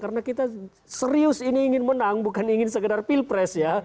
karena kita serius ini ingin menang bukan ingin sekedar pilpres ya